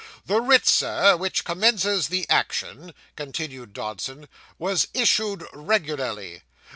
'The writ, Sir, which commences the action,' continued Dodson, 'was issued regularly.